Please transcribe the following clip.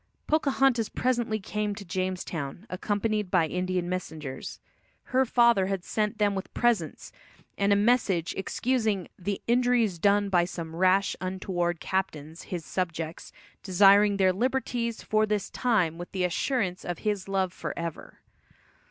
Pocahontas presently came to Jamestown, accompanied by Indian messengers. Her father had sent them with presents, and a message excusing "the injuries done by some rash, untoward captains, his subjects, desiring their liberties for this time with the assurance of his love forever."